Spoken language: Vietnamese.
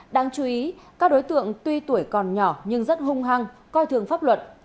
đáng chú ý các đối tượng tuy tuổi còn nhỏ nhưng rất hung hăng coi thường pháp luật